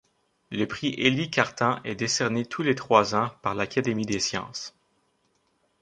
Le prix Élie Cartan est décerné tous les trois ans par l'Académie des sciences.